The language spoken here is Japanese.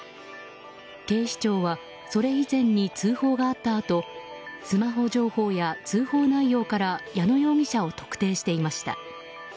警視庁は、それ以前に通報があったあとスマホ情報や通報内容から矢野容疑者を特定していました。